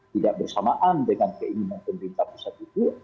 tidak bersamaan dengan keinginan pemerintah pusat itu